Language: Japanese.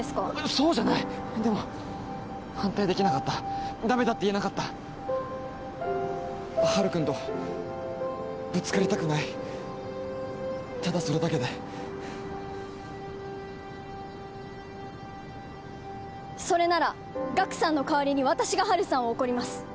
そうじゃないでも反対できなかったダメだって言えなかったハルくんとぶつかりたくないただそれだけでそれならガクさんのかわりに私がハルさんを怒ります